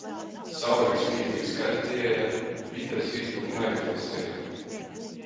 Saule sīnu izkaļtieja, bite zīdu naizlaseja.